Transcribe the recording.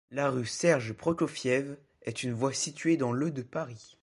La rue Serge-Prokofiev est une voie située dans le de Paris.